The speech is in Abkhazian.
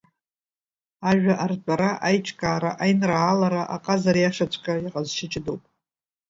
Ажәа артәара, аиҿкаара, аинраалара аҟазара иашаҵәҟьа иаҟазшьа ҷыдоуп…